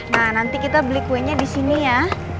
nah nanti kita beli kuenya di sini ya